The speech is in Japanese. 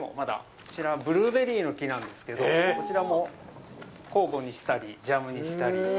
こちら、ブルーベリーの木なんですけど、こちらも酵母にしたりジャムにしたり。